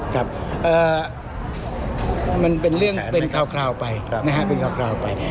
ครับมันเป็นเรื่องเป็นคราวไปนะฮะเป็นคราวไป